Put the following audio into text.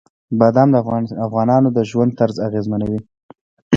بادام د افغانانو د ژوند طرز اغېزمنوي.